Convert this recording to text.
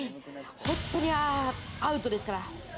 本当にアウトですから。